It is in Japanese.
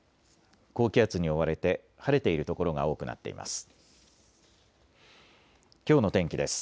高気圧に覆われて晴れている所が多くなっています。